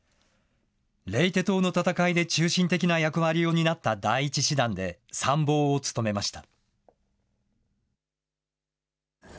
レイテ島の戦いで中心的な役割を担った第１師団で参謀を務めました。